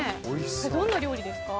どんな料理ですか？